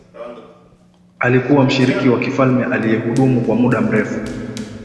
alikuwa mshirika wa kifalme aliyehudumu kwa muda mrefu